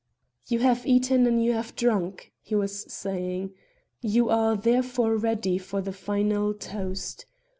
"You have eaten and you have drunk," he was saying; "you are therefore ready for the final toast.